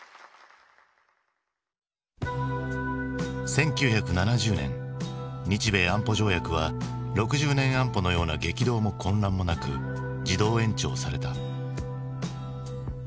１９７０年日米安保条約は６０年安保のような激動も混乱もなく自動延長された。